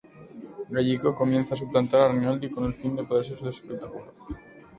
Gallico comienza a suplantar a Rinaldi con el fin de apoderarse de su espectáculo.